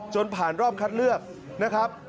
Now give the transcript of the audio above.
จนผ่านรอบคัดเลือกนะครับ